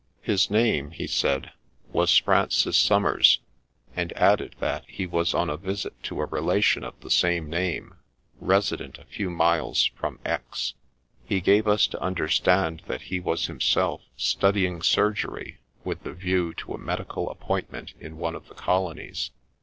His name, he said, was Francis Somers, and added that he was on a visit to a relation of the same name, resident a few miles from X . He gave us to understand that he was himself studying surgery with the view to a medical appointment in one of the colonies.